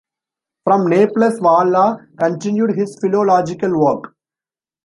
From Naples, Valla continued his philological work.